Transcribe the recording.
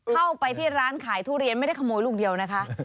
เข้าไปที่ร้านขายทุเรียนไม่ได้ขโมยลูกเดียวนะคะ